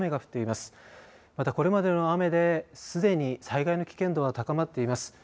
またこれまでの雨ですでに災害の危険度が高まっています。